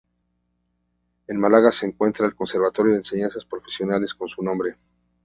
En Málaga se encuentra el Conservatorio de Enseñanzas Profesionales con su nombre.